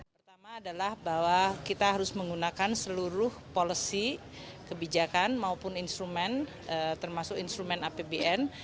pertama adalah bahwa kita harus menggunakan seluruh policy kebijakan maupun instrumen termasuk instrumen apbn